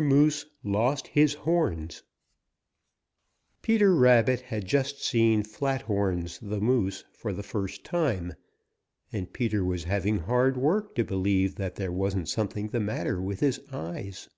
MOOSE LOST HIS HORNS |PETER RABBIT had just seen Flathorns the Moose for the first time, and Peter was having hard work to believe that there wasn't something the matter with his eyes.